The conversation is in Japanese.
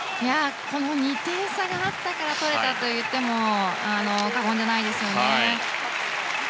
この２点差があったから取れたといっても過言じゃないですよね。